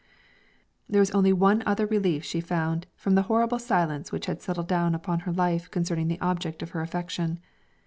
There was only one other relief she found from the horrible silence which had settled down upon her life concerning the object of her affection.